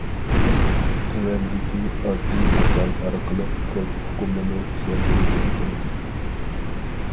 تۆۋەندىكى ئاددىي مىسال ئارقىلىق كود ئۇقۇمىنى چۈشەندۈرگىلى بولىدۇ.